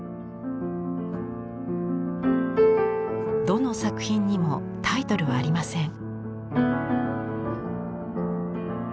どの作品にもタイトルはありません。